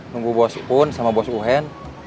tunggu bos upun sama bos uhen